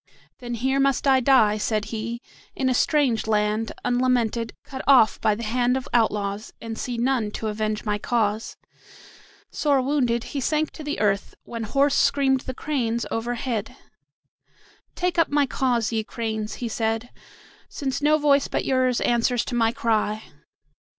"Then here must I die," said he, "in a strange land, unlamented, cut off by the hand of outlaws, and see none to avenge my cause." Sore wounded, he sank to the earth, when hoarse screamed the cranes overhead. "Take up my cause, ye cranes," he said, "since no voice but yours answers to my cry."